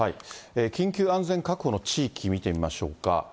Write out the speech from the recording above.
緊急安全確保の地域、見てみましょうか。